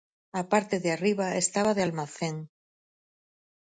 A parte de arriba estaba de almacén.